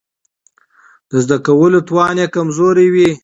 د زده کولو توان يې کمزوری وي.